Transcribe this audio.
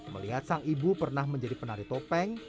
melihat sang ibu pernah menjadi penari topeng